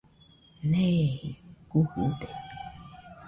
Neeji gujɨde.